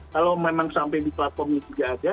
kalau memang sampai di platform itu juga ada